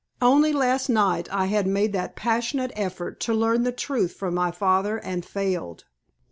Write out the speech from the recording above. Only last night I had made that passionate effort to learn the truth from my father and failed.